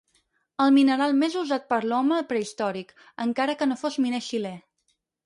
El mineral més usat per l'home prehistòric, encara que no fos miner xilè.